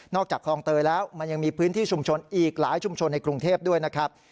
อกจากคลองเตยแล้วมันยังมีพื้นที่ชุมชนอีกหลายชุมชนในกรุงเทพด้วยนะครับ